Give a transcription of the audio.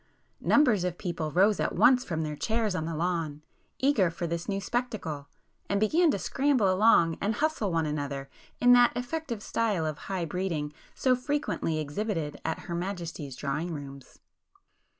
Numbers of people rose at once from their chairs on the lawn, eager for this new spectacle, and began to scramble along and hustle one another in that effective style of 'high breeding' so frequently exhibited at Her Majesty's Drawing Rooms.